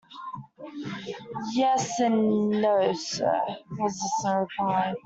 Yes, and no, sir, was the slow reply.